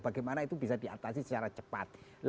bagaimana itu bisa diatasi secara cepat